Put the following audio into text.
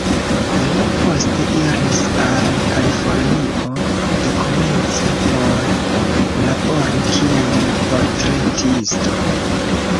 Li poste iris al Kalifornio, dekomence por labori kiel portretisto.